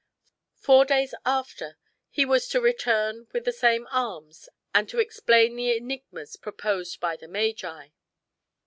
Four days after he was to return with the same arms and to explain the enigmas proposed by the magi.